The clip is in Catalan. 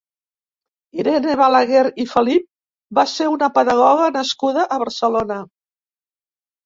Irene Balaguer i Felip va ser una pedagoga nascuda a Barcelona.